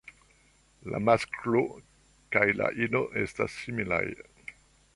La masklo kaj la ino estas similaj.